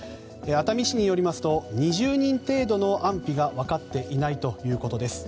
熱海市によりますと２０人程度の安否が分かっていないということです。